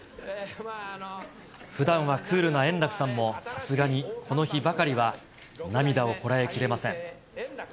ふだんはクールな円楽さんも、さすがにこの日ばかりは、涙をこらえきれません。